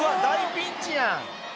大ピンチやん